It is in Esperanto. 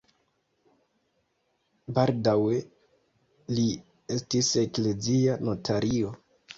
Baldaŭe li estis eklezia notario.